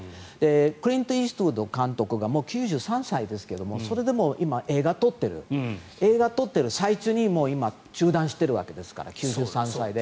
クリント・イーストウッド監督がもう９３歳ですがそれでも今映画を撮ってる最中に今、中断しているわけですから９３歳で。